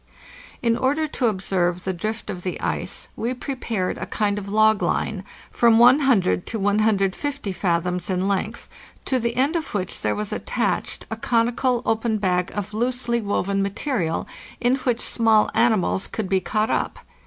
In order to observe the drift of the ice we prepared a kind of log line, from 100 to 150 fathoms in length, to the end of which there was attached a conical open bag of loosely woven material, in which small animals could be caught up.